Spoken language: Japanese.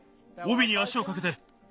おびに足をかけて。